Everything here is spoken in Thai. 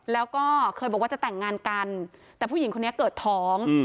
แล้วก็เคยบอกว่าจะแต่งงานกันแต่ผู้หญิงคนนี้เกิดท้อง